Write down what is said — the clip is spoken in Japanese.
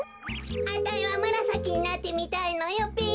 あたいはむらさきになってみたいのよべ。